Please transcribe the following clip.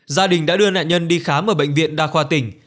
gia đình đã đưa nạn nhân đi khám ở bệnh viện đa khoa tỉnh